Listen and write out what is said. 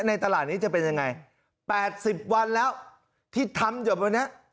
ในตลาดนี้จะเป็นยังไง๘๐วันแล้วที่ทำอยู่วันนี้